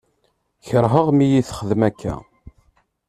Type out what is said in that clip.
Kerheɣ mi yi-txeddem akka.